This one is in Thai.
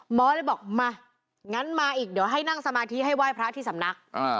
หมอเลยบอกมางั้นมาอีกเดี๋ยวให้นั่งสมาธิให้ไหว้พระที่สำนัก